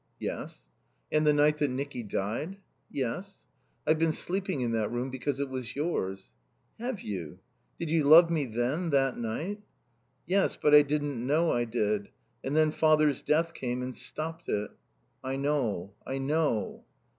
"Yes." "And the night that Nicky died?" "Yes." "I've been sleeping in that room, because it was yours." "Have you? Did you love me then, that night?" "Yes. But I didn't know I did. And then Father's death came and stopped it." "I know. I know."